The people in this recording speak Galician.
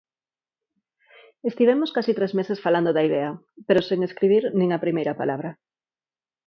Estivemos case tres meses falando da idea, pero sen escribir nin a primeira palabra.